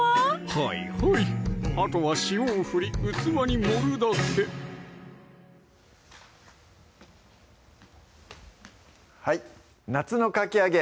はいはいあとは塩を振り器に盛るだけはい「夏のかき揚げ」